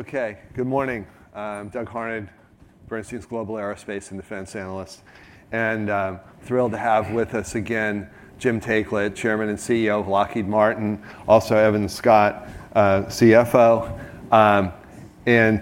Okay. Good morning. I'm Doug Harned, Bernstein's Global Aerospace & Defense Analyst, and thrilled to have with us again, Jim Taiclet, Chairman and CEO of Lockheed Martin, also Evan Scott, CFO.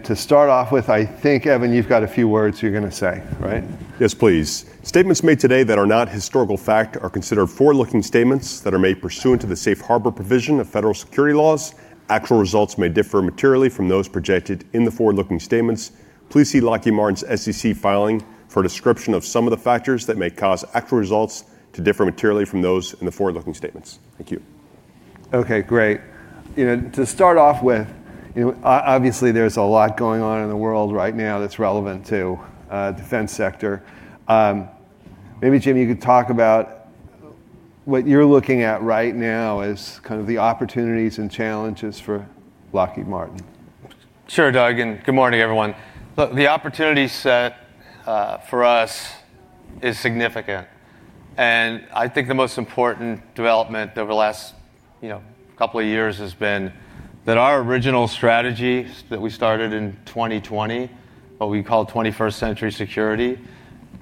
To start off with, I think, Evan, you've got a few words you're going to say, right? Yes, please. Statements made today that are not historical fact are considered forward-looking statements that are made pursuant to the safe harbor provision of federal security laws. Actual results may differ materially from those projected in the forward-looking statements. Please see Lockheed Martin's SEC filing for a description of some of the factors that may cause actual results to differ materially from those in the forward-looking statements. Thank you. Okay, great. To start off with, obviously there's a lot going on in the world right now that's relevant to defense sector. Maybe Jim, you could talk about what you're looking at right now as kind of the opportunities and challenges for Lockheed Martin. Sure, Doug, good morning everyone. Look, the opportunity set for us is significant, and I think the most important development over the last couple of years has been that our original strategy that we started in 2020, what we call 21st Century Security,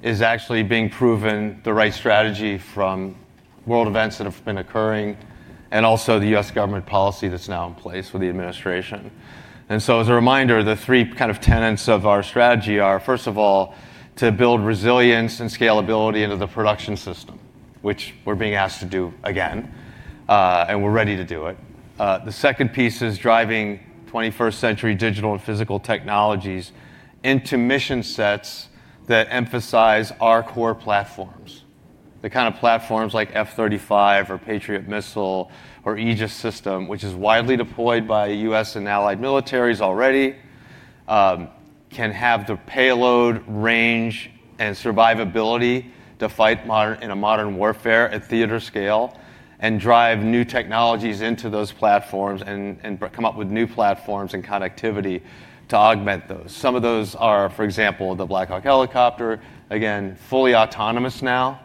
is actually being proven the right strategy from world events that have been occurring and also the U.S. government policy that's now in place with the administration. As a reminder, the three kind of tenets of our strategy are, first of all, to build resilience and scalability into the production system, which we're being asked to do again, and we're ready to do it. The second piece is driving 21st Century digital and physical technologies into mission sets that emphasize our core platforms. The kind of platforms like F-35 or Patriot missile or Aegis Combat System, which is widely deployed by U.S. and allied militaries already, can have the payload range and survivability to fight in a modern warfare at theater scale and drive new technologies into those platforms and come up with new platforms and connectivity to augment those. Some of those are, for example, the Black Hawk helicopter, again, fully autonomous now.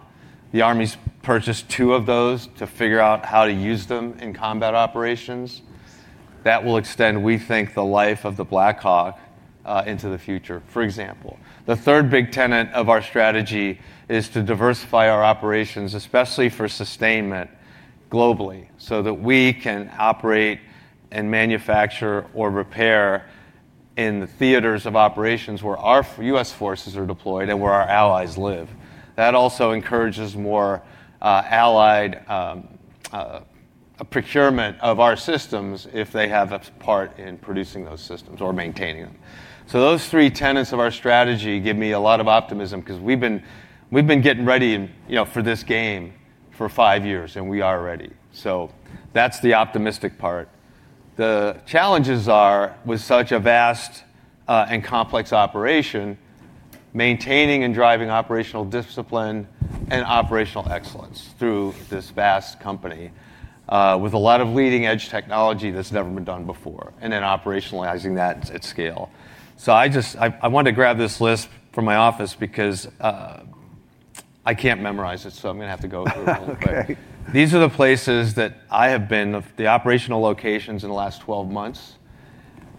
The Army's purchased two of those to figure out how to use them in combat operations. That will extend, we think, the life of the Black Hawk into the future, for example. The third big tenet of our strategy is to diversify our operations, especially for sustainment globally, so that we can operate and manufacture or repair in the theaters of operations where our U.S. forces are deployed and where our allies live. That also encourages more allied procurement of our systems if they have a part in producing those systems or maintaining them. Those three tenets of our strategy give me a lot of optimism because we've been getting ready for this game for five years, and we are ready. That's the optimistic part. The challenges are, with such a vast and complex operation, maintaining and driving operational discipline and operational excellence through this vast company, with a lot of leading-edge technology that's never been done before, and then operationalizing that at scale. I wanted to grab this list from my office because I can't memorize it, so I'm going to have to go over it real quick. Okay. These are the places that I have been, the operational locations in the last 12 months,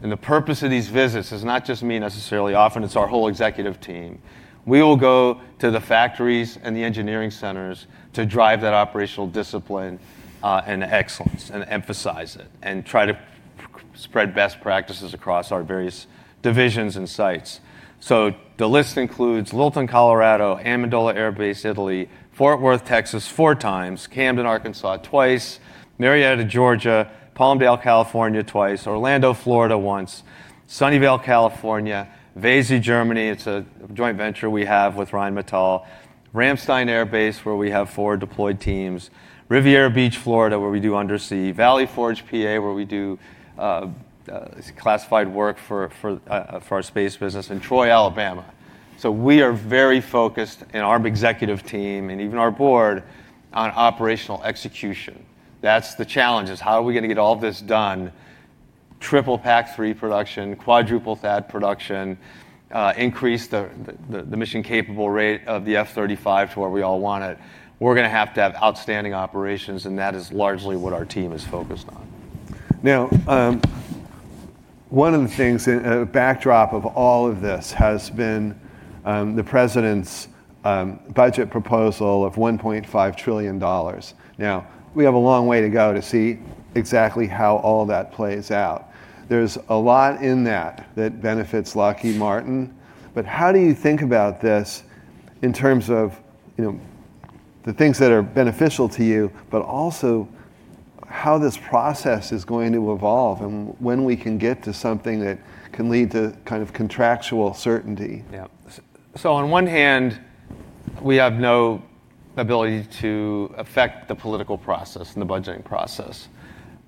and the purpose of these visits is not just me necessarily. Often, it's our whole executive team. We will go to the factories and the engineering centers to drive that operational discipline, and excellence and emphasize it, and try to spread best practices across our various divisions and sites. The list includes Littleton, Colorado, Amendola Air Base, Italy, Fort Worth, Texas four times, Camden, Arkansas twice, Marietta, Georgia, Palmdale, California twice, Orlando, Florida once, Sunnyvale, California, Weeze, Germany, it's a joint venture we have with Rheinmetall, Ramstein Air Base, where we have four deployed teams, Riviera Beach, Florida, where we do undersea, Valley Forge, P.A., where we do classified work for our space business, and Troy, Alabama. We are very focused, and our executive team and even our board, on operational execution. That's the challenge, is how are we going to get all this done, triple PAC-3 production, quadruple THAAD production, increase the mission capable rate of the F-35 to where we all want it. We're going to have to have outstanding operations, and that is largely what our team is focused on. One of the things in a backdrop of all of this has been the president's budget proposal of $1.5 trillion. We have a long way to go to see exactly how all that plays out. There's a lot in that that benefits Lockheed Martin, but how do you think about this in terms of the things that are beneficial to you, but also how this process is going to evolve and when we can get to something that can lead to contractual certainty? Yeah. On one hand, we have no ability to affect the political process and the budgeting process,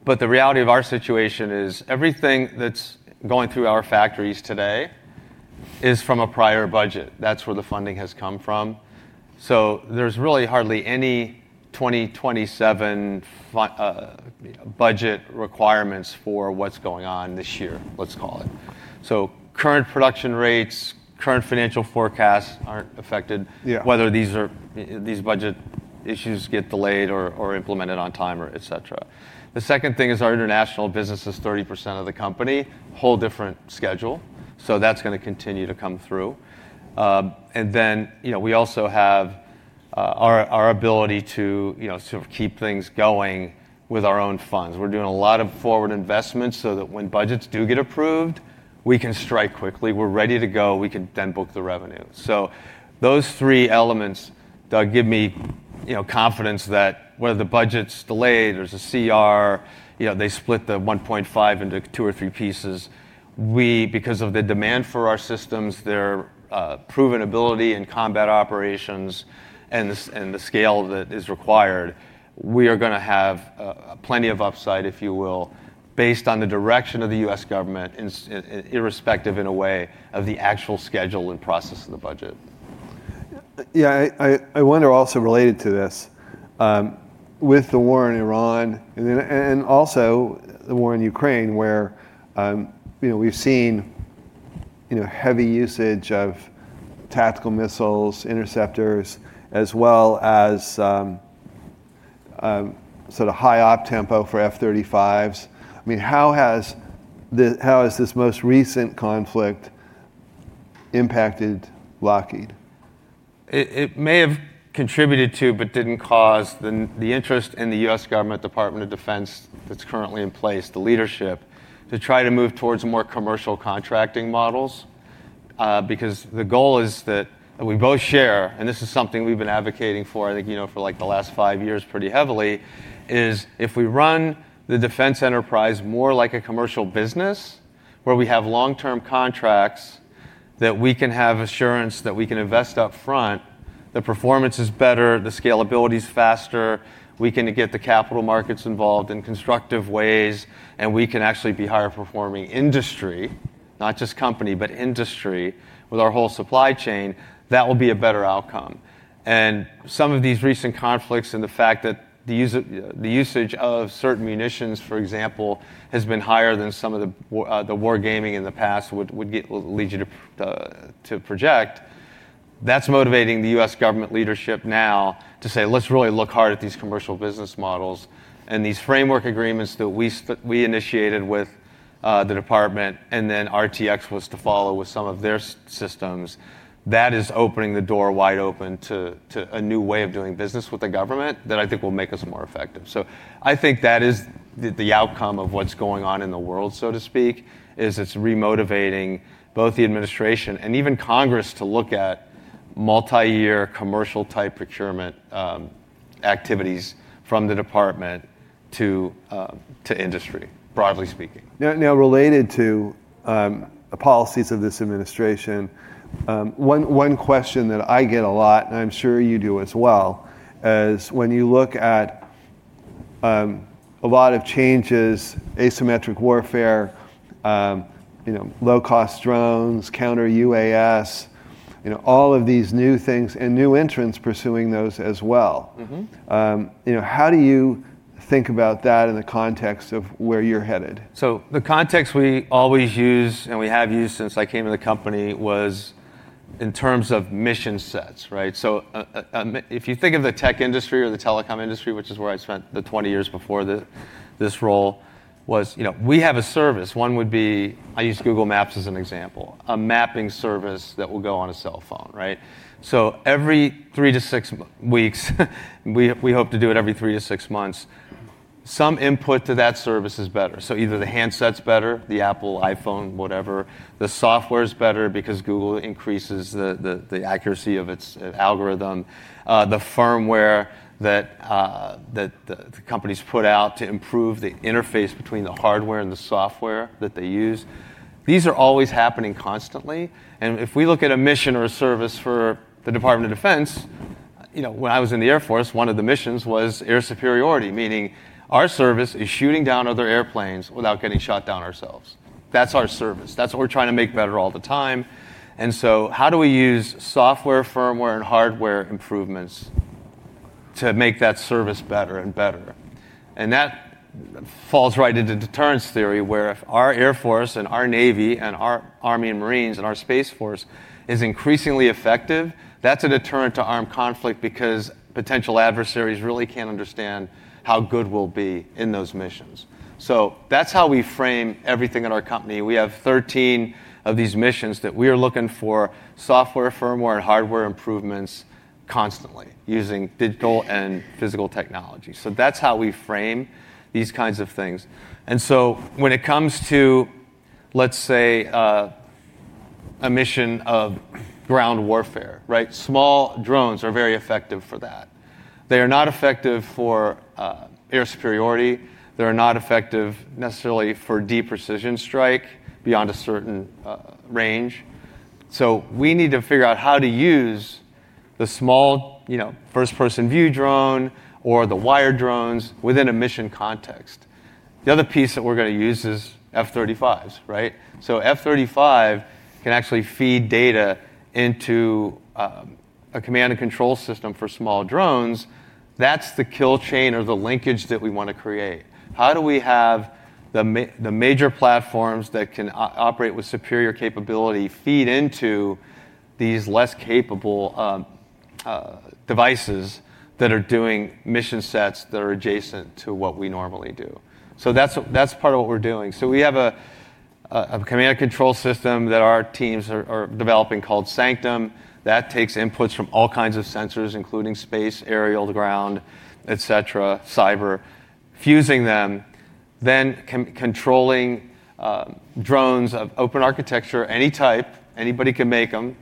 but the reality of our situation is everything that's going through our factories today is from a prior budget. That's where the funding has come from. There's really hardly any 2027 budget requirements for what's going on this year, let's call it. Current production rates, current financial forecasts aren't affected. Yeah Whether these budget issues get delayed or implemented on time or et cetera. The second thing is our international business is 30% of the company, whole different schedule. That's going to continue to come through. Then, we also have our ability to sort of keep things going with our own funds. We're doing a lot of forward investments so that when budgets do get approved, we can strike quickly. We're ready to go. We can then book the revenue. Those three elements, Doug give me confidence that whether the budget's delayed, there's a CR, they split the $1.5 into two or three pieces. We, because of the demand for our systems, their proven ability in combat operations and the scale that is required, we are going to have plenty of upside, if you will, based on the direction of the U.S. government, irrespective in a way of the actual schedule and process of the budget. Yeah. I wonder also related to this, with the war in Iran and also the war in Ukraine where we've seen heavy usage of tactical missiles, interceptors, as well as sort of high op tempo for F-35s. How has this most recent conflict impacted Lockheed? It may have contributed to but didn't cause the interest in the U.S. government, Department of Defense that's currently in place, the leadership, to try to move towards more commercial contracting models. The goal is that we both share, and this is something we've been advocating for, I think, for like the last five years pretty heavily, is if we run the defense enterprise more like a commercial business where we have long-term contracts that we can have assurance that we can invest up front, the performance is better, the scalability's faster, we can get the capital markets involved in constructive ways, and we can actually be higher performing industry, not just company, but industry with our whole supply chain, that will be a better outcome. Some of these recent conflicts and the fact that the usage of certain munitions, for example, has been higher than some of the war gaming in the past would lead you to project, that's motivating the U.S. government leadership now to say, "Let's really look hard at these commercial business models." These framework agreements that we initiated with the Department and then RTX was to follow with some of their systems, that is opening the door wide open to a new way of doing business with the government that I think will make us more effective. I think that is the outcome of what's going on in the world, so to speak, is it's re-motivating both the administration and even Congress to look at multi-year commercial type procurement activities from the Department to industry, broadly speaking. Related to the policies of this administration, one question that I get a lot, and I am sure you do as well, is when you look at a lot of changes, asymmetric warfare, low-cost drones, counter-UAS, all of these new things and new entrants pursuing those as well. How do you think about that in the context of where you're headed? The context we always use, and we have used since I came to the company, was in terms of mission sets, right? If you think of the tech industry or the telecom industry, which is where I spent the 20 years before this role was, we have a service. One would be, I use Google Maps as an example, a mapping service that will go on a cell phone, right? Every three to six weeks, we hope to do it every three to six months. Some input to that service is better. Either the handset's better, the Apple iPhone, whatever. The software's better because Google increases the accuracy of its algorithm. The firmware that the companies put out to improve the interface between the hardware and the software that they use. These are always happening constantly, and if we look at a mission or a service for the Department of Defense, when I was in the Air Force, one of the missions was air superiority, meaning our service is shooting down other airplanes without getting shot down ourselves. That's our service. That's what we're trying to make better all the time. How do we use software, firmware, and hardware improvements to make that service better and better? That falls right into deterrence theory, where if our Air Force and our Navy and our Army and Marines and our Space Force is increasingly effective, that's a deterrent to armed conflict because potential adversaries really can't understand how good we'll be in those missions. That's how we frame everything in our company. We have 13 of these missions that we are looking for software, firmware, and hardware improvements constantly using digital and physical technology. That's how we frame these kinds of things. When it comes to, let's say, a mission of ground warfare, right? Small drones are very effective for that. They are not effective for air superiority. They are not effective necessarily for deep precision strike beyond a certain range. We need to figure out how to use the small first-person view drone or the wire drones within a mission context. The other piece that we're going to use is F-35s, right? F-35 can actually feed data into a command and control system for small drones. That's the kill chain or the linkage that we want to create. How do we have the major platforms that can operate with superior capability feed into these less capable devices that are doing mission sets that are adjacent to what we normally do. That's part of what we're doing. We have a command and control system that our teams are developing called Sanctum. That takes inputs from all kinds of sensors, including space, aerial, to ground, et cetera, cyber, fusing them, then controlling drones of open architecture, any type, anybody can make them,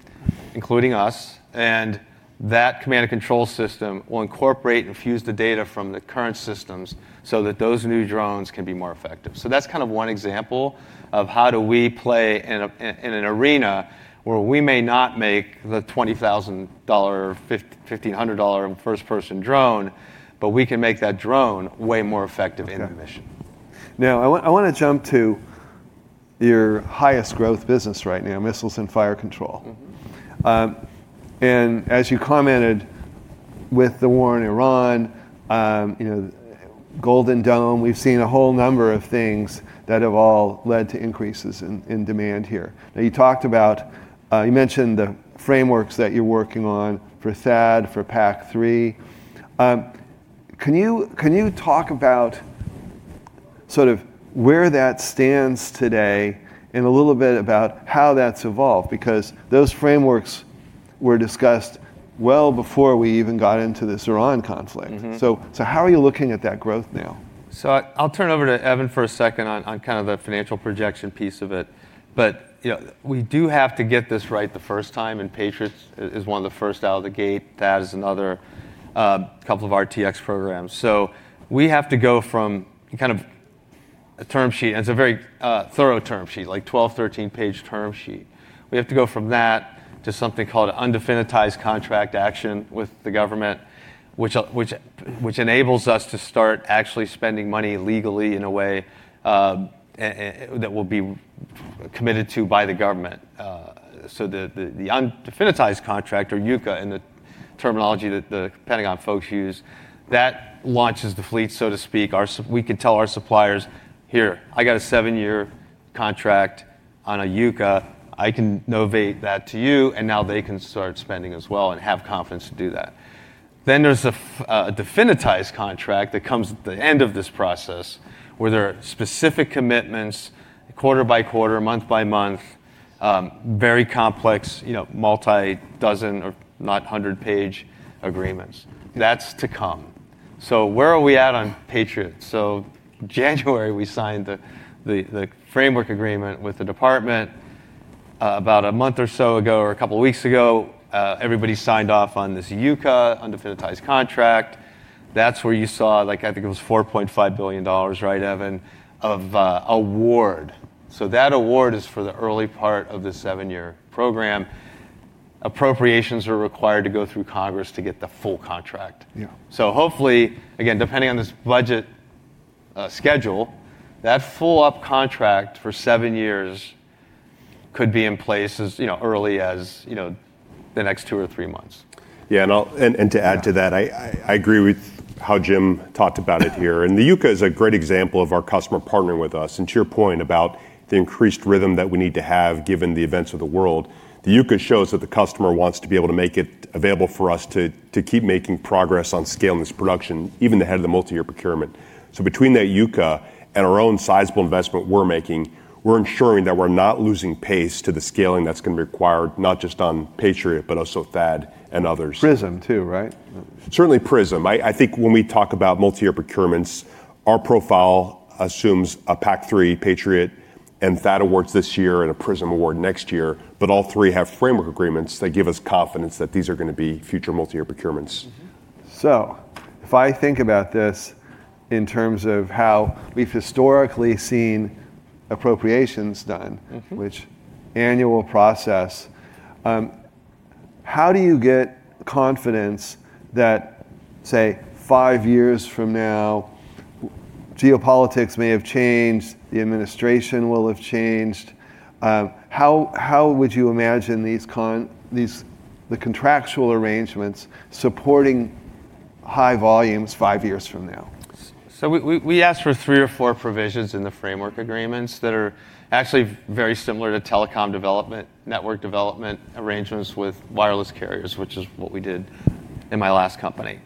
including us. That command and control system will incorporate and fuse the data from the current systems so that those new drones can be more effective. That's one example of how do we play in an arena where we may not make the $20,000, $1,500 first-person drone, but we can make that drone way more effective in a mission. I want to jump to your highest growth business right now, Missiles and Fire Control. As you commented with the war in Iran, Golden Dome, we've seen a whole number of things that have all led to increases in demand here. You talked about, you mentioned the frameworks that you're working on for THAAD, for PAC-3. Can you talk about sort of where that stands today, and a little about how that's evolved? Those frameworks were discussed well before we even got into this Iran conflict. How are you looking at that growth now? I'll turn it over to Evan for a second on kind of the financial projection piece of it. We do have to get this right the first time, and Patriot is one of the first out of the gate, THAAD is another, a couple of RTX programs. We have to go from kind of a term sheet, and it's a very thorough term sheet, like 12, 13-page term sheet. We have to go from that to something called an undefinitized contract action with the government, which enables us to start actually spending money legally in a way that will be committed to by the government. The undefinitized contract, or UCA, in the terminology that The Pentagon folks use, that launches the fleet, so to speak. We can tell our suppliers, "Here, I got a seven-year contract on a UCA. I can novate that to you," and now they can start spending as well and have confidence to do that. There's a definitized contract that comes at the end of this process, where there are specific commitments quarter by quarter, month by month, very complex, multi-dozen or not hundred-page agreements. That's to come. Where are we at on Patriot? January, we signed the framework agreement with the Department. About a month or so ago, or a couple of weeks ago, everybody signed off on this UCA, undefinitized contract. That's where you saw, I think it was $4.5 billion, right, Evan, of award. That award is for the early part of the seven-year program. Appropriations are required to go through Congress to get the full contract. Yeah. Hopefully, again, depending on this budget schedule, that full-up contract for seven years could be in place as early as the next two or three months. Yeah, to add to that, I agree with how Jim talked about it here. The UCA is a great example of our customer partnering with us. To your point about the increased rhythm that we need to have, given the events of the world, the UCA shows that the customer wants to be able to make it available for us to keep making progress on scaling this production, even ahead of the multi-year procurement. Between that UCA and our own sizable investment we're making, we're ensuring that we're not losing pace to the scaling that's going to be required, not just on Patriot, but also THAAD and others. PrSM too, right? Certainly PrSM. I think when we talk about multi-year procurements, our profile assumes a PAC-3 Patriot and THAAD awards this year and a PrSM award next year. All three have framework agreements that give us confidence that these are going to be future multi-year procurements. if I think about this in terms of how we've historically seen appropriations done- Which annual process, how do you get confidence that, say, five years from now, geopolitics may have changed, the administration will have changed? How would you imagine the contractual arrangements supporting high volumes five years from now? We asked for three or four provisions in the framework agreements that are actually very similar to telecom development, network development arrangements with wireless carriers, which is what we did in my last company.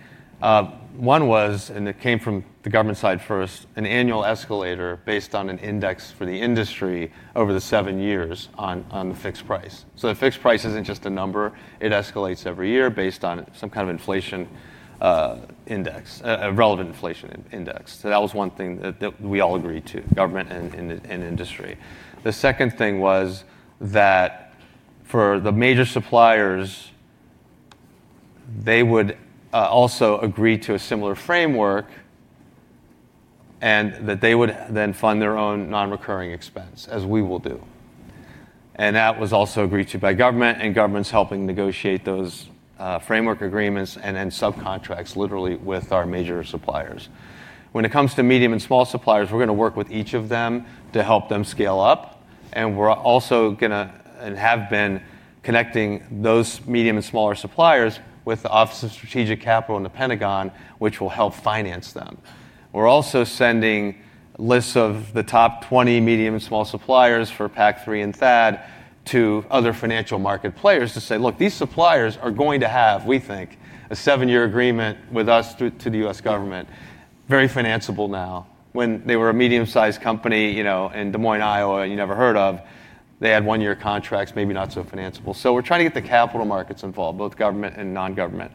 One was, and it came from the government side first, an annual escalator based on an index for the industry over the 7 years on the fixed price. The fixed price isn't just a number. It escalates every year based on some kind of inflation index, a relevant inflation index. That was one thing that we all agreed to, government and industry. The second thing was that for the major suppliers, they would also agree to a similar framework, and that they would then fund their own non-recurring expense, as we will do. That was also agreed to by Government, and Government's helping negotiate those framework agreements and then subcontracts literally with our major suppliers. When it comes to medium and small suppliers, we're going to work with each of them to help them scale up, and we're also going to, and have been, connecting those medium and smaller suppliers with the Office of Strategic Capital and The Pentagon, which will help finance them. We're also sending lists of the top 20 medium and small suppliers for PAC-3 and THAAD to other financial market players to say, "Look, these suppliers are going to have, we think, a seven-year agreement with us to the U.S. Government." Very financeable now. When they were a medium-sized company in Des Moines, Iowa, you never heard of, they had one-year contracts, maybe not so financeable. We're trying to get the capital markets involved, both Government and non-Government.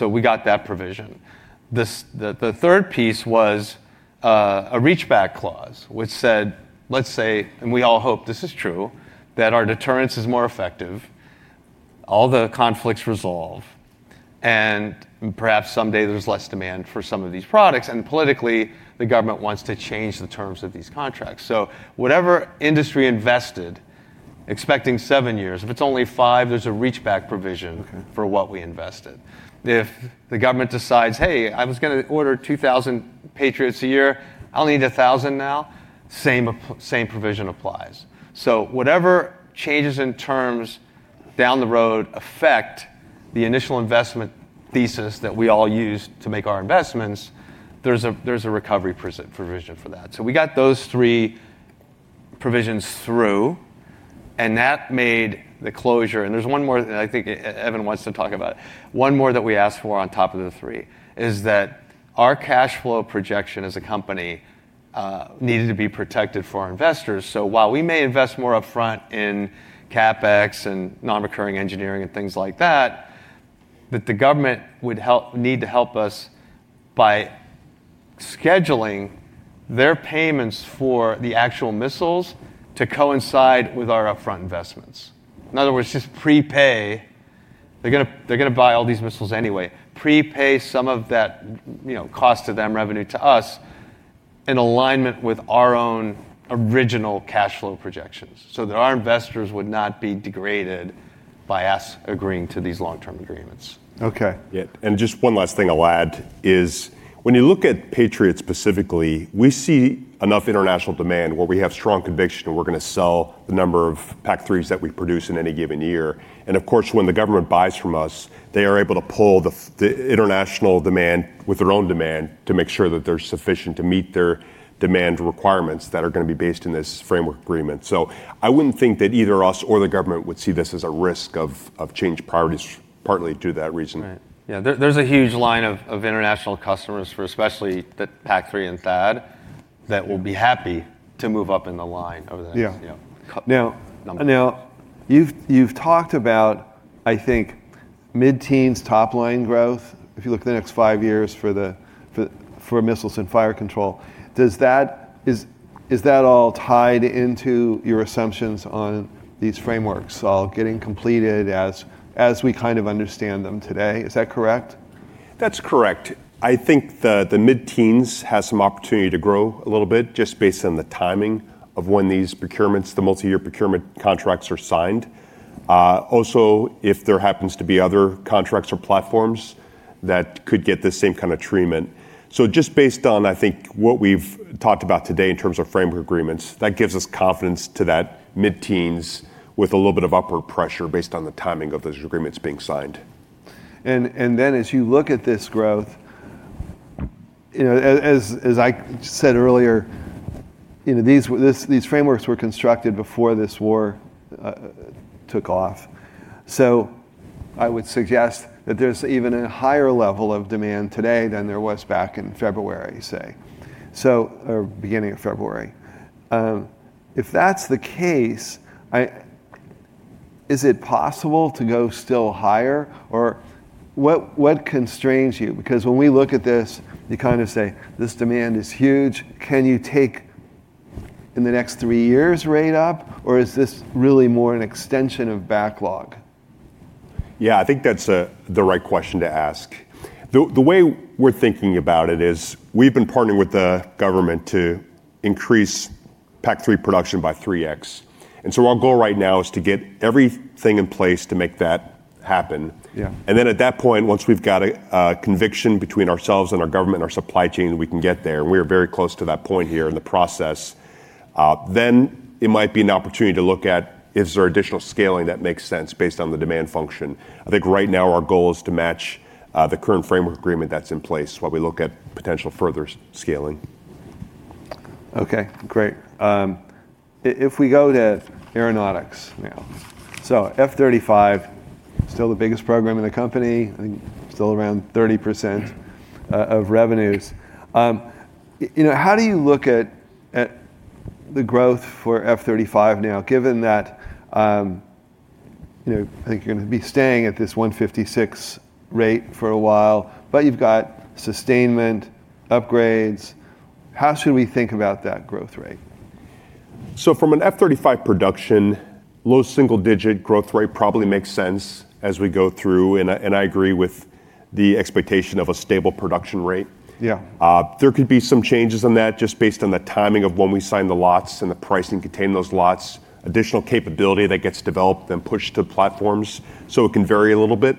We got that provision. The third piece was a reach-back clause, which said, let's say, and we all hope this is true, that our deterrence is more effective, all the conflicts resolve, and perhaps someday there's less demand for some of these products, and politically, the government wants to change the terms of these contracts. Whatever industry invested expecting seven years, if it's only five, there's a reach-back provision. Okay for what we invested. If the government decides, "Hey, I was going to order 2,000 Patriots a year. I only need 1,000 now," same provision applies. Whatever changes in terms down the road affect the initial investment thesis that we all use to make our investments, there's a recovery provision for that. We got those three provisions through, and that made the closure. There's one more that I think Evan wants to talk about. One more that we asked for on top of the three, is that our cash flow projection as a company, needed to be protected for our investors. While we may invest more upfront in CapEx and non-recurring engineering and things like that the government would need to help us by scheduling their payments for the actual missiles to coincide with our upfront investments. In other words, just pre-pay. They're going to buy all these missiles anyway. Prepay some of that cost to them, revenue to us in alignment with our own original cash flow projections, so that our investors would not be degraded by us agreeing to these long-term agreements. Okay. Yeah. Just one last thing I'll add is when you look at Patriot specifically, we see enough international demand where we have strong conviction that we're going to sell the number of PAC-3s that we produce in any given year. Of course, when the government buys from us, they are able to pull the international demand with their own demand to make sure that they're sufficient to meet their demand requirements that are going to be based in this framework agreement. I wouldn't think that either us or the government would see this as a risk of changed priorities, partly due to that reason. Right. Yeah. There's a huge line of international customers for especially the PAC-3 and THAAD, that will be happy to move up in the line of the next- Yeah yeah. You've talked about, I think, mid-teens top line growth if you look at the next five years for Missiles and Fire Control. Is that all tied into your assumptions on these frameworks all getting completed as we kind of understand them today? Is that correct? That's correct. I think the mid-teens has some opportunity to grow a little bit just based on the timing of when these procurements, the multi-year procurement contracts are signed. Also, if there happens to be other contracts or platforms that could get the same kind of treatment. Just based on, I think, what we've talked about today in terms of framework agreements, that gives us confidence to that mid-teens with a little bit of upward pressure based on the timing of those agreements being signed. As you look at this growth, as I said earlier, these frameworks were constructed before this war took off. I would suggest that there's even a higher level of demand today than there was back in February, say, or beginning of February. If that's the case, is it possible to go still higher? What constrains you? When we look at this, you kind of say, This demand is huge. Can you take in the next three years rate up or is this really more an extension of backlog? Yeah, I think that's the right question to ask. The way we're thinking about it is we've been partnering with the government to increase PAC-3 production by 3x. Our goal right now is to get everything in place to make that happen. Yeah. At that point, once we've got a conviction between ourselves and our government and our supply chain that we can get there, and we are very close to that point here in the process, then it might be an opportunity to look at is there additional scaling that makes sense based on the demand function. I think right now our goal is to match the current framework agreement that's in place while we look at potential further scaling. Okay, great. If we go to aeronautics now. F-35, still the biggest program in the company. I think still around 30% of revenues. How do you look at the growth for F-35 now, given that you're going to be staying at this 156 rate for a while, but you've got sustainment, upgrades. How should we think about that growth rate? From an F-35 production, low single digit growth rate probably makes sense as we go through, and I agree with the expectation of a stable production rate. Yeah. There could be some changes in that just based on the timing of when we sign the lots and the pricing contained in those lots. Additional capability that gets developed, then pushed to platforms. It can vary a little bit.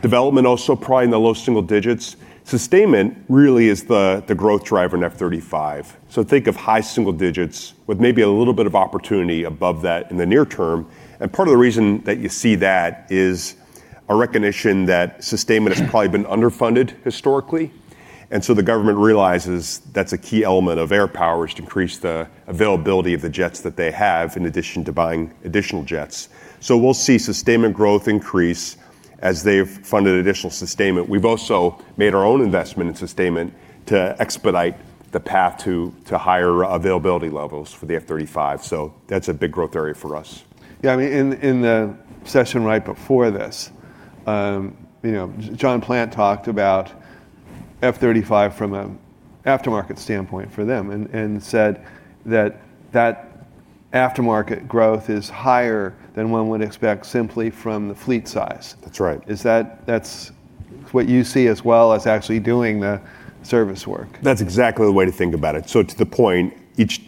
Development also probably in the low single digits. Sustainment really is the growth driver in F-35. Think of high single digits with maybe a little bit of opportunity above that in the near term. Part of the reason that you see that is a recognition that sustainment has probably been underfunded historically. The government realizes that's a key element of air power is to increase the availability of the jets that they have, in addition to buying additional jets. We'll see sustainment growth increase as they've funded additional sustainment. We've also made our own investment in sustainment to expedite the path to higher availability levels for the F-35. That's a big growth area for us. Yeah, in the session right before this, John Plant talked about F-35 from an aftermarket standpoint for them and said that that aftermarket growth is higher than one would expect simply from the fleet size. That's right. Is that what you see as well as actually doing the service work? That's exactly the way to think about it. To the point, each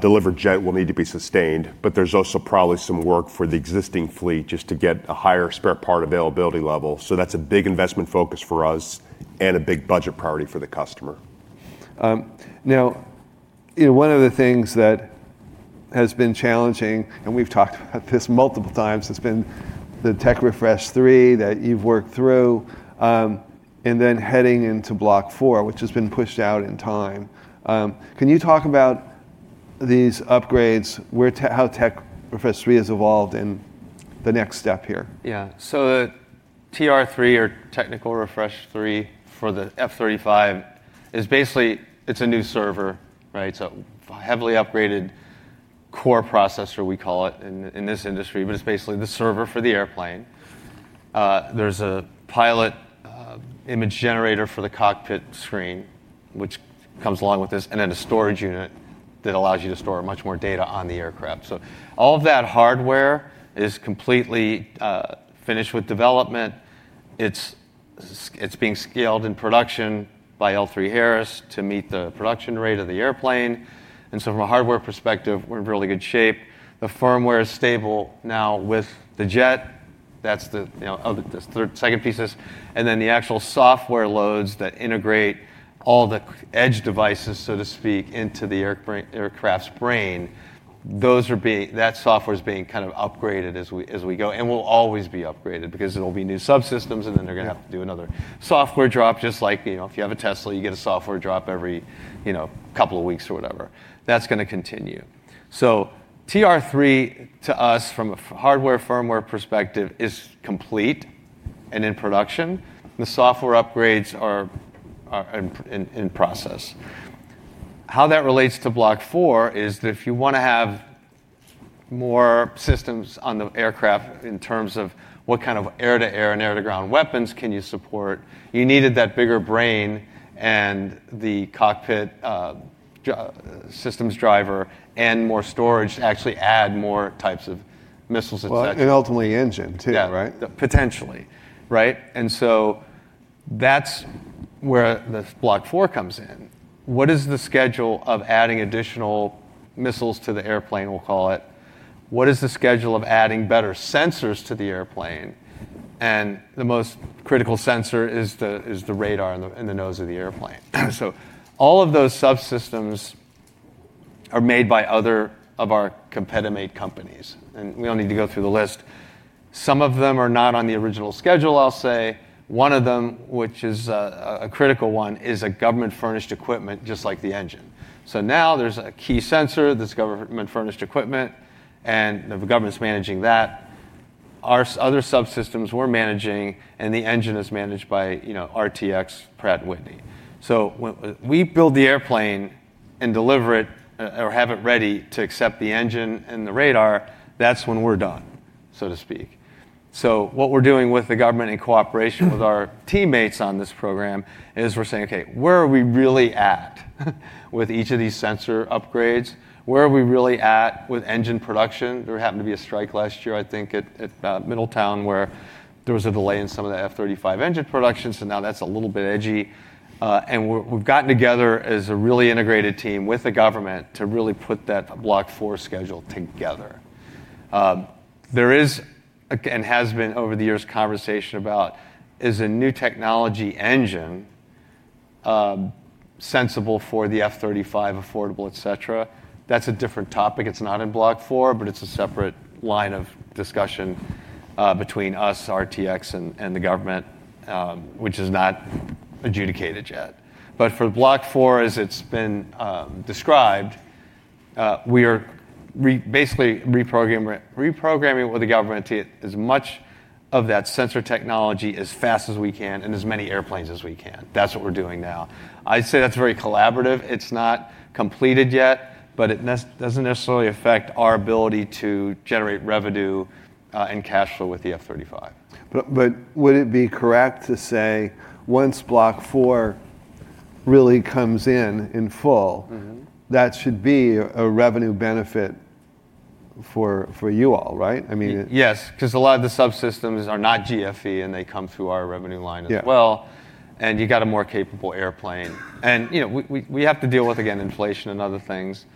delivered jet will need to be sustained, but there's also probably some work for the existing fleet just to get a higher spare part availability level. That's a big investment focus for us and a big budget priority for the customer. One of the things that has been challenging, and we've talked about this multiple times, has been the Tech Refresh 3 that you've worked through, and then heading into Block 4, which has been pushed out in time. Can you talk about these upgrades, how Tech Refresh 3 has evolved, and the next step here? TR-3 or Technology Refresh 3 for the F-35, it's a new server. Heavily upgraded core processor, we call it in this industry, but it's basically the server for the airplane. There's a pilot image generator for the cockpit screen, which comes along with this, and then a storage unit that allows you to store much more data on the aircraft. All of that hardware is completely finished with development. It's being scaled in production by L3Harris to meet the production rate of the airplane. From a hardware perspective, we're in really good shape. The firmware is stable now with the jet. That's the second piece is. The actual software loads that integrate all the edge devices, so to speak, into the aircraft's brain, that software's being kind of upgraded as we go and will always be upgraded because there'll be new subsystems, and then they're going to have to do another software drop, just like if you have a Tesla, you get a software drop every couple of weeks or whatever. That's going to continue. TR-3, to us, from a hardware, firmware perspective, is complete and in production. The software upgrades are in process. How that relates to Block 4 is that if you want to have more systems on the aircraft in terms of what kind of air-to-air and air-to-ground weapons can you support, you needed that bigger brain and the cockpit systems driver and more storage to actually add more types of missiles, et cetera. Well, ultimately engine too, right? Yeah. Potentially, right? That's where the Block 4 comes in. What is the schedule of adding additional missiles to the airplane, we'll call it? What is the schedule of adding better sensors to the airplane? The most critical sensor is the radar in the nose of the airplane. All of those subsystems are made by other of our competitor/teammate companies, and we don't need to go through the list. Some of them are not on the original schedule, I'll say. One of them, which is a critical one, is a government-furnished equipment, just like the engine. Now there's a key sensor that's government-furnished equipment, and the government's managing that. Our other subsystems we're managing, and the engine is managed by RTX Pratt & Whitney. When we build the airplane and deliver it or have it ready to accept the engine and the radar, that's when we're done, so to speak. What we're doing with the government in cooperation with our teammates on this program is we're saying, "Okay, where are we really at with each of these sensor upgrades? Where are we really at with engine production?" There happened to be a strike last year, I think, at Middletown, where there was a delay in some of the F-35 engine production. Now that's a little bit edgy. We've gotten together as a really integrated team with the government to really put that Block 4 schedule together. There is, and has been over the years, conversation about, is a new technology engine sensible for the F-35, affordable, et cetera? That's a different topic. It's not in Block 4, but it's a separate line of discussion between us, RTX, and the government, which is not adjudicated yet. For Block 4, as it's been described, we are basically reprogramming with the government as much of that sensor technology as fast as we can and as many airplanes as we can. That's what we're doing now. I'd say that's very collaborative. It's not completed yet, but it doesn't necessarily affect our ability to generate revenue and cash flow with the F-35. Would it be correct to say once Block 4 really comes in in full. That should be a revenue benefit for you all, right? Yes, because a lot of the subsystems are not GFE, and they come through our revenue line as well. Yeah. You got a more capable airplane. We have to deal with, again, inflation and other things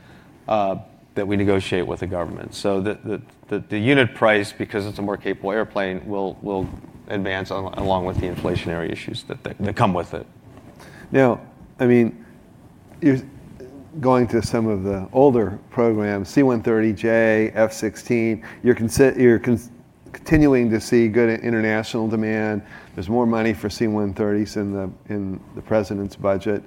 that we negotiate with the government. The unit price, because it's a more capable airplane, will advance along with the inflationary issues that come with it. You're going to some of the older programs, C-130J, F-16. You're continuing to see good international demand. There's more money for C-130s in the President's budget.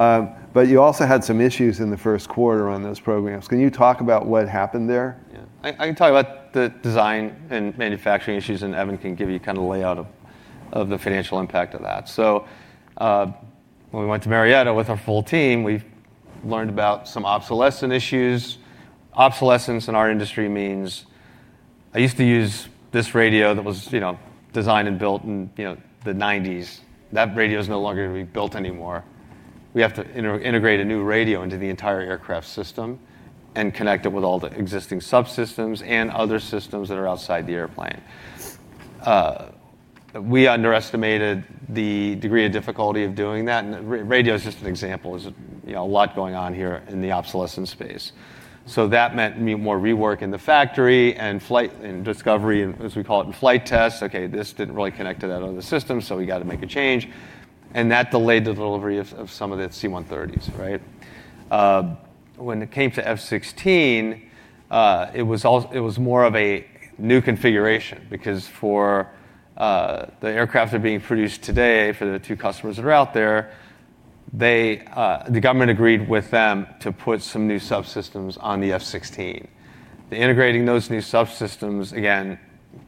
You also had some issues in the first quarter on those programs. Can you talk about what happened there? Yeah. I can talk about the design and manufacturing issues, and Evan can give you kind of the layout of the financial impact of that. When we went to Marietta with our full team, we learned about some obsolescence issues. Obsolescence in our industry means, I used to use this radio that was designed and built in the 1990s. That radio is no longer going to be built anymore. We have to integrate a new radio into the entire aircraft system and connect it with all the existing subsystems and other systems that are outside the airplane. We underestimated the degree of difficulty of doing that, and radio is just an example. There's a lot going on here in the obsolescence space. That meant more rework in the factory and flight and discovery, and as we call it, in flight tests. Okay, this didn't really connect to that other system, we got to make a change, that delayed the delivery of some of the C-130s. Right? When it came to F-16, it was more of a new configuration because for the aircraft that are being produced today, for the two customers that are out there, the government agreed with them to put some new subsystems on the F-16. The integrating those new subsystems, again,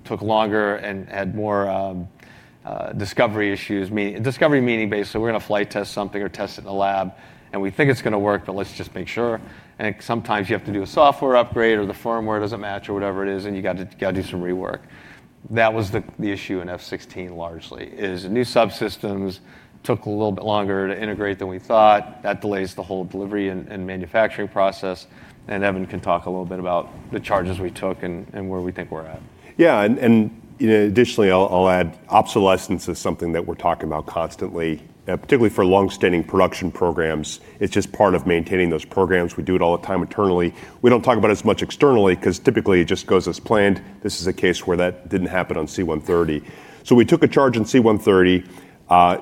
took longer and had more discovery issues. Discovery meaning based, we're going to flight test something or test it in a lab, we think it's going to work, let's just make sure, sometimes you have to do a software upgrade or the firmware doesn't match or whatever it is, you got to do some rework. That was the issue in F-16, largely, is the new subsystems took a little bit longer to integrate than we thought. Evan can talk a little bit about the charges we took and where we think we're at. I'll add obsolescence is something that we're talking about constantly, particularly for longstanding production programs. It's just part of maintaining those programs. We do it all the time internally. We don't talk about it as much externally because typically it just goes as planned. This is a case where that didn't happen on C-130. We took a charge on C-130.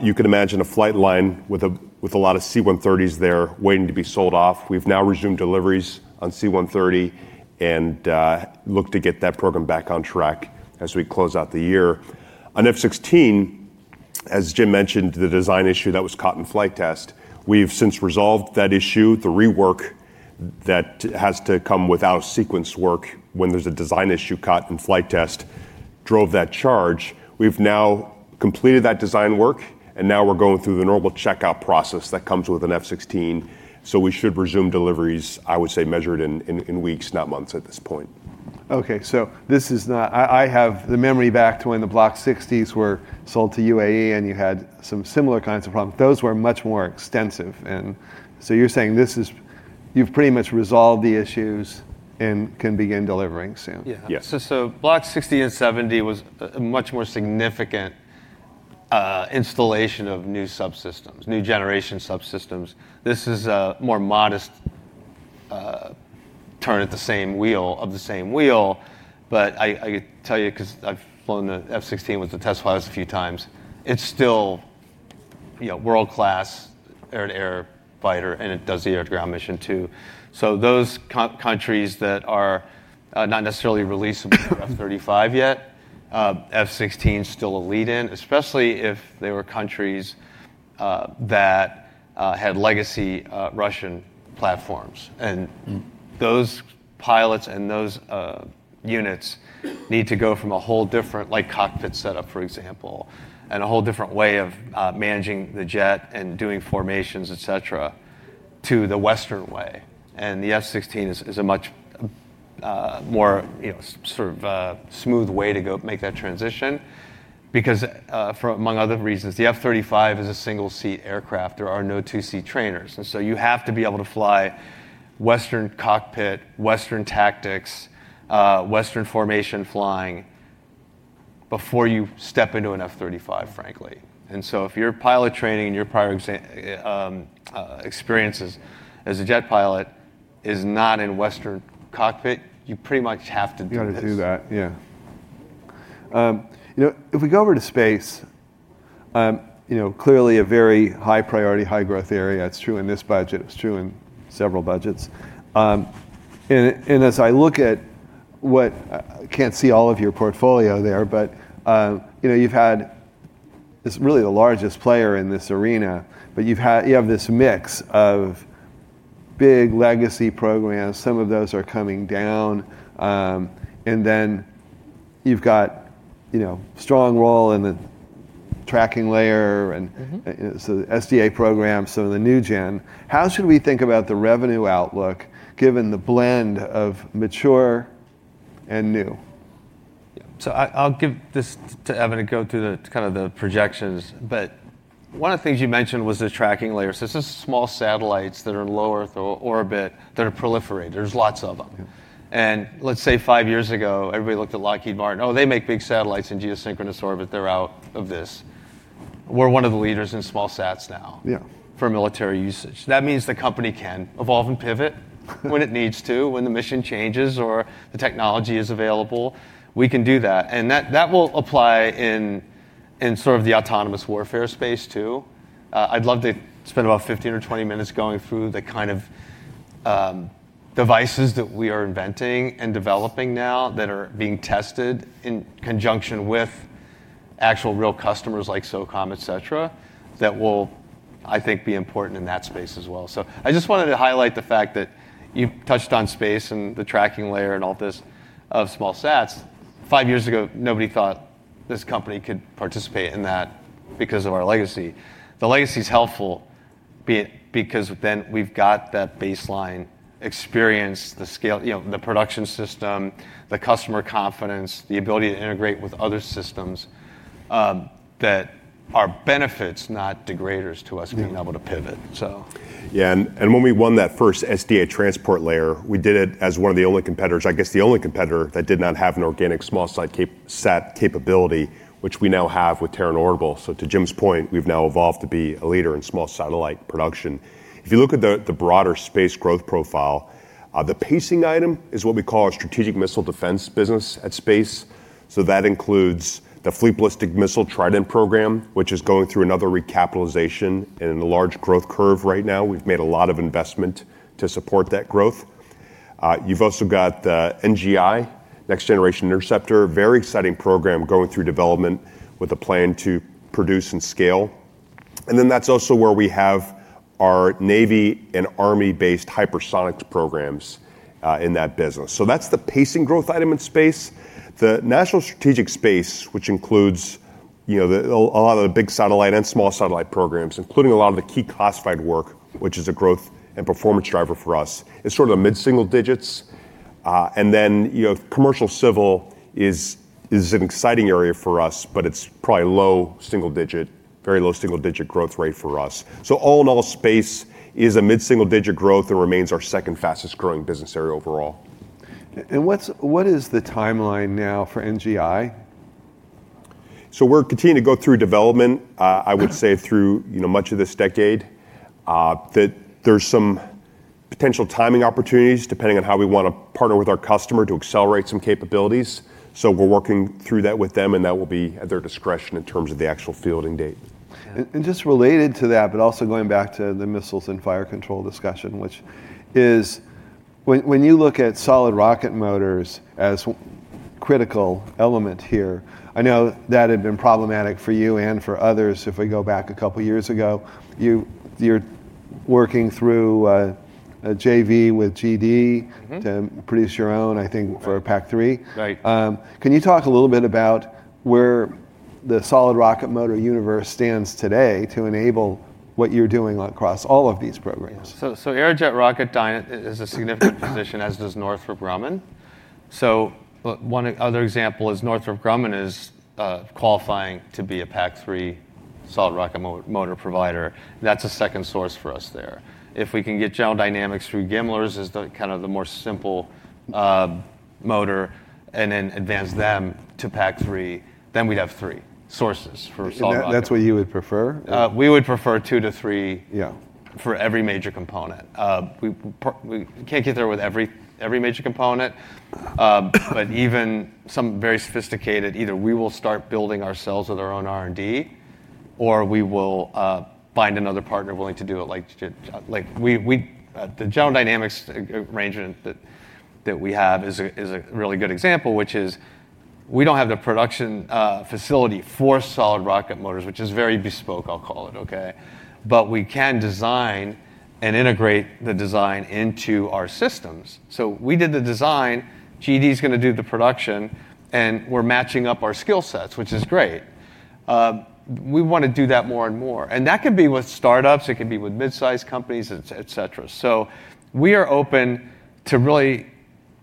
You can imagine a flight line with a lot of C-130s there waiting to be sold off. We've now resumed deliveries on C-130 and look to get that program back on track as we close out the year. On F-16, as Jim mentioned, the design issue that was caught in flight test, we've since resolved that issue. The rework that has to come without sequence work when there's a design issue caught in flight test drove that charge. We've now completed that design work, and now we're going through the normal checkout process that comes with an F-16. We should resume deliveries, I would say, measured in weeks, not months at this point. I have the memory back to when the Block 60s were sold to UAE and you had some similar kinds of problems. Those were much more extensive. You're saying you've pretty much resolved the issues and can begin delivering soon? Yeah. Yeah. Block 60 and 70 was a much more significant installation of new subsystems, new generation subsystems. This is a more modest turn of the same wheel, but I could tell you because I've flown the F-16 with the test pilots a few times, it's still world-class air-to-air fighter, and it does the air-to-ground mission, too. Those countries that are not necessarily releasable for the F-35 yet, F-16's still a lead-in, especially if they were countries that had legacy Russian platforms. Those pilots and those units need to go from a whole different cockpit setup, for example, and a whole different way of managing the jet and doing formations, et cetera, to the Western way. The F-16 is a much more sort of smooth way to go make that transition because, among other reasons, the F-35 is a single-seat aircraft. There are no two-seat trainers. You have to be able to fly Western cockpit, Western tactics, Western formation flying before you step into an F-35, frankly. If you're pilot training and your prior experiences as a jet pilot is not in Western cockpit, you pretty much have to do this. You got to do that, yeah. If we go over to space, clearly a very high priority, high growth area. It's true in this budget. It was true in several budgets. As I look at I can't see all of your portfolio there, but you've had this really the largest player in this arena. You have this mix of big legacy programs. Some of those are coming down, and then you've got strong role in the tracking layer. The SDA program, so the new gen, how should we think about the revenue outlook given the blend of mature and new? I'll give this to Evan to go through kind of the projections, but one of the things you mentioned was the tracking layer. This is small satellites that are in low Earth orbit that are proliferating. There's lots of them. Yeah. Let's say five years ago, everybody looked at Lockheed Martin. Oh, they make big satellites in geosynchronous orbit, they're out of this. We're one of the leaders in small sats now. Yeah. For military usage. That means the company can evolve and pivot when it needs to, when the mission changes or the technology is available, we can do that, and that will apply in sort of the autonomous warfare space too. I'd love to spend about 15 or 20 minutes going through the kind of devices that we are inventing and developing now that are being tested in conjunction with actual real customers like SOCOM, et cetera, that will, I think, be important in that space as well. I just wanted to highlight the fact that you've touched on space and the tracking layer and all this of small sats. Five years ago, nobody thought this company could participate in that because of our legacy. The legacy's helpful because then we've got that baseline experience, the scale, the production system, the customer confidence, the ability to integrate with other systems, that are benefits, not degraders to us being able to pivot. When we won that first SDA transport layer, we did it as one of the only competitors, I guess the only competitor, that did not have an organic small sat capability, which we now have with Terran Orbital. To Jim's point, we've now evolved to be a leader in small satellite production. If you look at the broader space growth profile, the pacing item is what we call our strategic missile defense business at space. That includes the fleet Ballistic Missile Trident program, which is going through another recapitalization and a large growth curve right now. We've made a lot of investment to support that growth. You've also got the NGI, Next Generation Interceptor, very exciting program, going through development with a plan to produce and scale. Then that's also where we have our Navy and Army-based hypersonic programs, in that business. That's the pacing growth item in space. The national strategic space, which includes a lot of the big satellite and small satellite programs, including a lot of the key classified work, which is a growth and performance driver for us. It's sort of mid-single digits. Commercial civil is an exciting area for us, but it's probably very low single-digit growth rate for us. All in all, space is a mid-single-digit growth and remains our second fastest growing business area overall. What is the timeline now for NGI? We're continuing to go through development. I would say through much of this decade, that there's some potential timing opportunities depending on how we want to partner with our customer to accelerate some capabilities. We're working through that with them, and that will be at their discretion in terms of the actual fielding date. Just related to that, but also going back to the Missiles and Fire Control discussion, which is when you look at solid rocket motors as a critical element here, I know that had been problematic for you and for others if we go back a couple of years ago. You're working through a JV with GD to produce your own, I think, for a PAC-3. Right. Can you talk a little bit about where the solid rocket motor universe stands today to enable what you're doing across all of these programs? Aerojet Rocketdyne is a significant position, as does Northrop Grumman. One other example is Northrop Grumman is qualifying to be a PAC-3 solid rocket motor provider. That's a second source for us there. If we can get General Dynamics through GMLRS as the more simple motor and then advance them to PAC-3, then we'd have three sources for solid rocket. That's what you would prefer? We would prefer two to three- Yeah for every major component. We can't get there with every major component. Even some very sophisticated, either we will start building ourselves with our own R&D or we will find another partner willing to do it. The General Dynamics arrangement that we have is a really good example, which is we don't have the production facility for solid rocket motors, which is very bespoke, I'll call it, okay? We can design and integrate the design into our systems. We did the design. GD's going to do the production, and we're matching up our skill sets, which is great. We want to do that more and more. That could be with startups, it could be with mid-size companies, et cetera. We are open to really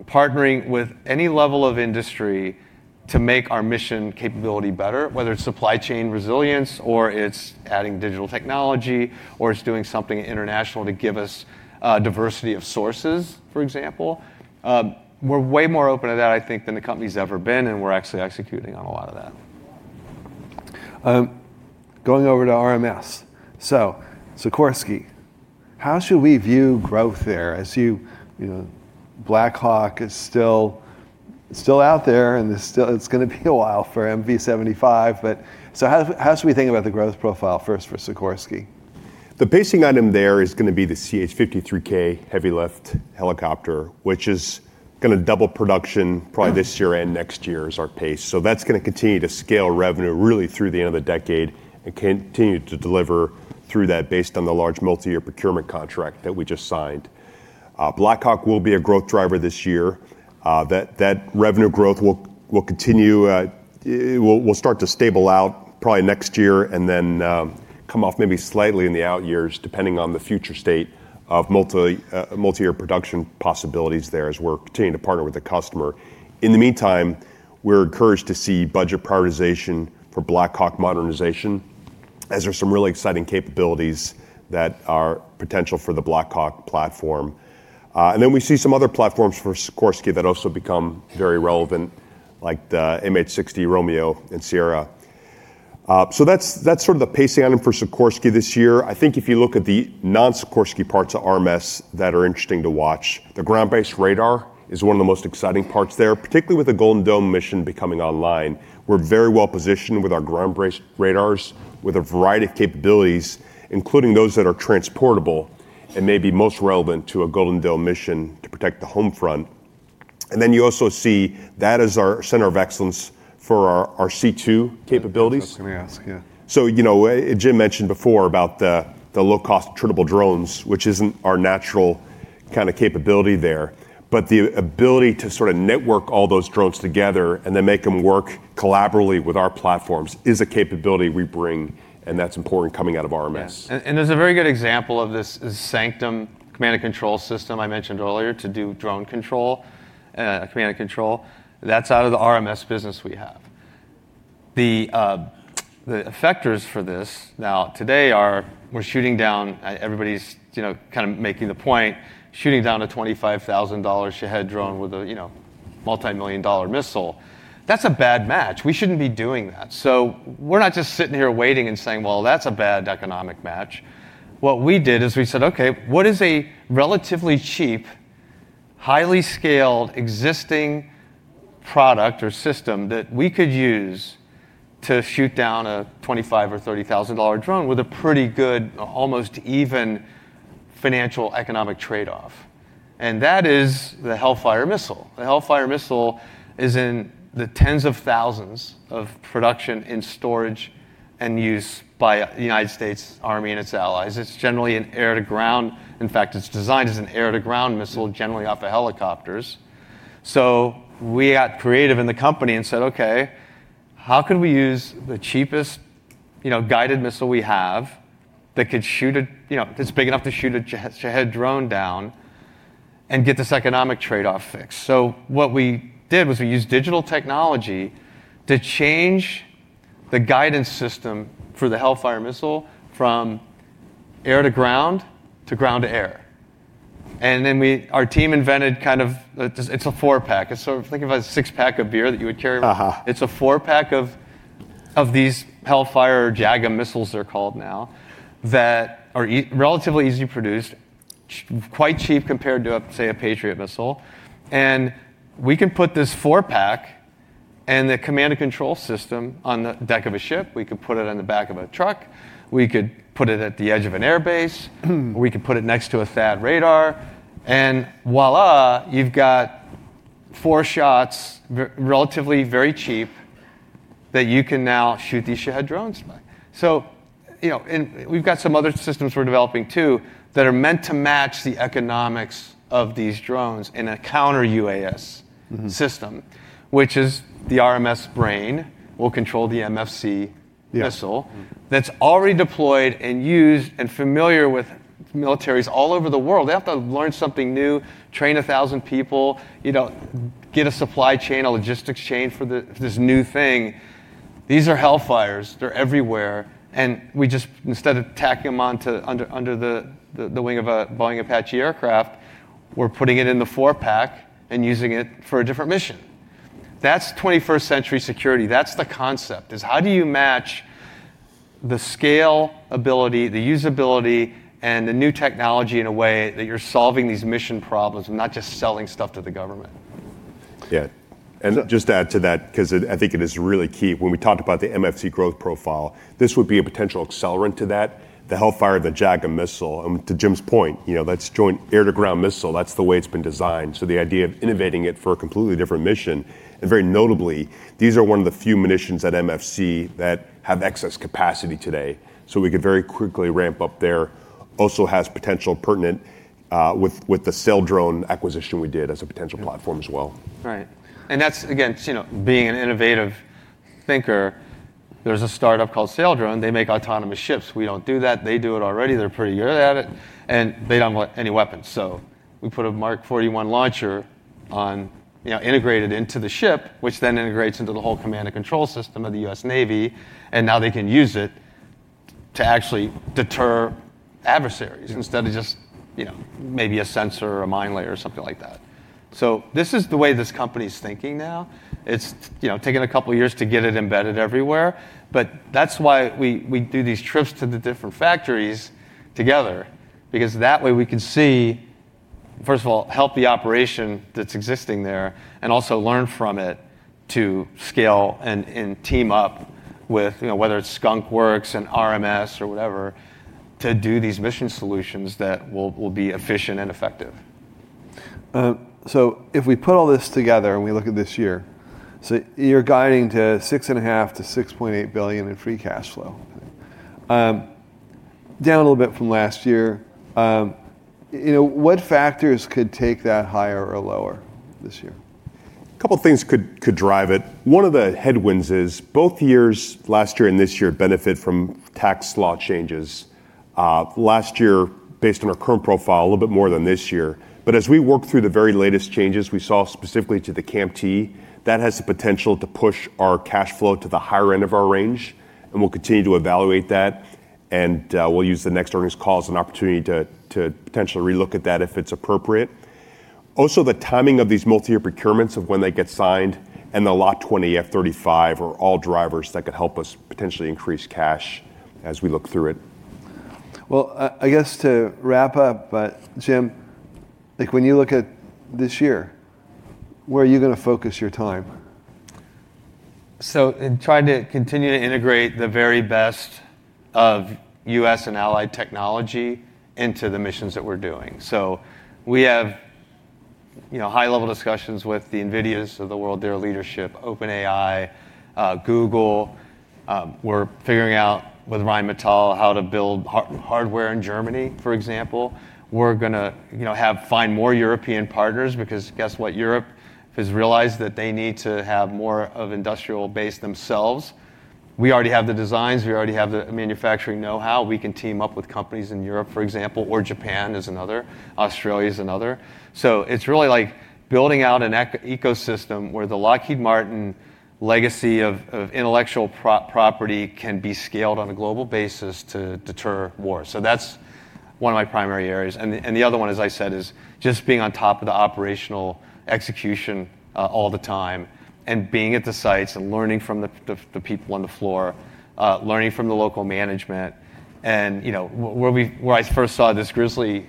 partnering with any level of industry to make our mission capability better, whether it's supply chain resilience or it's adding digital technology or it's doing something international to give us a diversity of sources, for example. We're way more open to that, I think, than the company's ever been, and we're actually executing on a lot of that. Going over to RMS. Sikorsky, how should we view growth there as Black Hawk is still out there and it's going to be a while for MV-22, how should we think about the growth profile first for Sikorsky? The pacing item there is going to be the CH-53K Heavy Lift helicopter, which is going to double production probably this year and next year as our pace. That's going to continue to scale revenue, really through the end of the decade, and continue to deliver through that based on the large multi-year procurement contract that we just signed. Black Hawk will be a growth driver this year. That revenue growth will continue. It will start to stable out probably next year and then come off maybe slightly in the out years, depending on the future state of multi-year production possibilities there as we're continuing to partner with the customer. In the meantime, we're encouraged to see budget prioritization for Black Hawk modernization, as there's some really exciting capabilities that are potential for the Black Hawk platform. Then we see some other platforms for Sikorsky that also become very relevant, like the MH-60 Romeo and Sierra. That's sort of the pacing item for Sikorsky this year. I think if you look at the non-Sikorsky parts of RMS that are interesting to watch, the ground-based radar is one of the most exciting parts there, particularly with the Golden Dome mission becoming online. We're very well positioned with our ground-based radars with a variety of capabilities, including those that are transportable. Maybe most relevant to a Golden Dome mission to protect the home front. Then you also see that is our center of excellence for our C2 capabilities. I was going to ask, yeah. Jim mentioned before about the low-cost tradable drones, which isn't our natural kind of capability there, but the ability to sort of network all those drones together and then make them work collaboratively with our platforms is a capability we bring, and that's important coming out of RMS. Yeah. There's a very good example of this is Sanctum Command and Control System I mentioned earlier, to do drone command and control. That's out of the RMS business we have. The effectors for this now today are Everybody's kind of making the point, shooting down a $25,000 Shahed drone with a multimillion-dollar missile. That's a bad match. We shouldn't be doing that. We're not just sitting here waiting and saying, "Well, that's a bad economic match." What we did is we said, "Okay, what is a relatively cheap, highly scaled existing product or system that we could use to shoot down a $25,000 or $30,000 drone with a pretty good, almost even financial economic trade-off?" That is the HELLFIRE missile. The HELLFIRE missile is in the tens of thousands of production in storage and use by the United States Army and its allies. It's generally an air-to-ground. In fact, it's designed as an air-to-ground missile, generally off of helicopters. We got creative in the company and said, "Okay, how can we use the cheapest guided missile we have that's big enough to shoot a Shahed drone down and get this economic trade-off fixed?" What we did was we used digital technology to change the guidance system for the HELLFIRE missile from air-to-ground to ground-to-air. Our team invented It's a four-pack. Think of a six-pack of beer that you would carry around. It's a four-pack of these HELLFIRE JAGM missiles they're called now, that are relatively easy produced, quite cheap compared to, say, a Patriot missile. We can put this four-pack and the command and control system on the deck of a ship. We could put it on the back of a truck. We could put it at the edge of an airbase, or we could put it next to a THAAD radar. Voila, you've got four shots, relatively very cheap, that you can now shoot these Shahed drones by. We've got some other systems we're developing too, that are meant to match the economics of these drones in a counter UAS system. Which is the RMS brain will control the MFC- Yeah missile that's already deployed and used and familiar with militaries all over the world. They don't have to learn something new, train 1,000 people, get a supply chain, a logistics chain for this new thing. These are HELLFIREs. They're everywhere. Instead of tacking them onto under the wing of a Boeing Apache aircraft, we're putting it in the four-pack and using it for a different mission. That's 21st Century Security. That's the concept, is how do you match the scalability, the usability, and the new technology in a way that you're solving these mission problems and not just selling stuff to the government? Yeah. Just to add to that, because I think it is really key, when we talked about the MFC growth profile, this would be a potential accelerant to that, the HELLFIRE, the JAGM missile. To Jim's point, that's Joint Air-to-Ground Missile. That's the way it's been designed. The idea of innovating it for a completely different mission, and very notably, these are one of the few munitions at MFC that have excess capacity today. We could very quickly ramp up there. Also has potential pertinent with the Saildrone acquisition we did as a potential platform as well. Right. That's, again, being an innovative thinker, there's a startup called Saildrone. They make autonomous ships. We don't do that. They do it already. They're pretty good at it, and they don't want any weapons. We put a MK 41 launcher integrated into the ship, which then integrates into the whole command and control system of the U.S. Navy, and now they can use it to actually deter adversaries instead of just maybe a sensor or a mine layer or something like that. This is the way this company's thinking now. It's taken a couple of years to get it embedded everywhere, but that's why we do these trips to the different factories together. That way we can see, first of all, help the operation that's existing there, and also learn from it to scale and team up with, whether it's Skunk Works and RMS or whatever, to do these mission solutions that will be efficient and effective. If we put all this together and we look at this year, so you're guiding to $6.5 billion-$6.8 billion in free cash flow. Okay. Down a little bit from last year. What factors could take that higher or lower this year? A couple of things could drive it. One of the headwinds is both years, last year and this year, benefit from tax law changes. Last year, based on our current profile, a little bit more than this year. As we work through the very latest changes we saw specifically to the CAMT, that has the potential to push our cash flow to the higher end of our range, and we'll continue to evaluate that, and we'll use the next earnings call as an opportunity to potentially relook at that if it's appropriate. The timing of these multi-year procurements of when they get signed and the Lot 20 F-35 are all drivers that could help us potentially increase cash as we look through it. Well, I guess to wrap up, Jim, when you look at this year, where are you going to focus your time? In trying to continue to integrate the very best of U.S. and allied technology into the missions that we're doing. We have high level discussions with the Nvidias of the world, their leadership, OpenAI, Google. We're figuring out with Rheinmetall how to build hardware in Germany, for example. We're going to find more European partners because guess what? Europe has realized that they need to have more of industrial base themselves. We already have the designs. We already have the manufacturing know-how. We can team up with companies in Europe, for example, or Japan is another. Australia is another. It's really like building out an ecosystem where the Lockheed Martin legacy of intellectual property can be scaled on a global basis to deter war. That's one of my primary areas. The other one, as I said, is just being on top of the operational execution all the time and being at the sites and learning from the people on the floor, learning from the local management. Where I first saw this GRIZZLY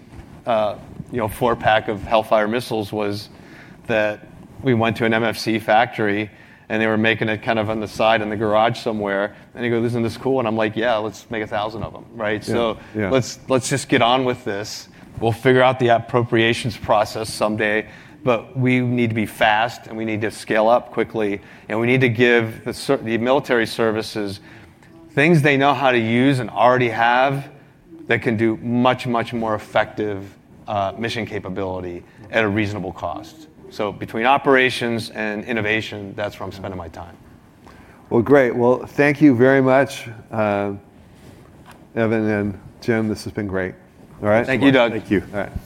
four-pack of HELLFIRE missiles was that we went to an MFC factory, and they were making it on the side in the garage somewhere. They go, "Isn't this cool." I'm like, "Yeah, let's make 1,000 of them." Right? Yeah. Let's just get on with this. We'll figure out the appropriations process someday, but we need to be fast, and we need to scale up quickly, and we need to give the military services things they know how to use and already have that can do much, much more effective mission capability at a reasonable cost. Between operations and innovation, that's where I'm spending my time. Well, great. Well, thank you very much, Evan and Jim, this has been great. All right. Thank you, Doug. Thank you. All right.